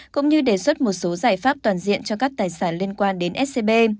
cũng như đề xuất một số giải pháp toàn diện cho các tài sản liên quan đến scb